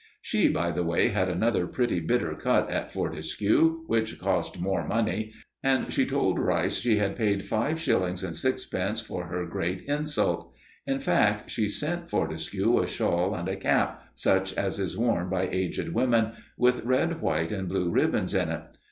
She, by the way, had another pretty bitter cut at Fortescue, which cost more money, and she told Rice she had paid five shillings and sixpence for her great insult. In fact, she sent Fortescue a shawl and a cap, such as is worn by aged women, with red, white, and blue ribbons in it.